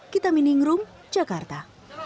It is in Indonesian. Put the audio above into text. kita mining room jakarta